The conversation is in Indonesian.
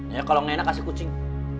ya kalau ngena kasih kucing